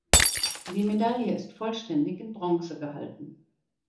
Die Medaille ist vollständig in Bronze gehalten.